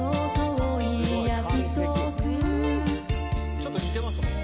ちょっと似てますもんね。